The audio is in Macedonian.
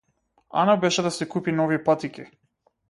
Ана беше да си купи нови патики.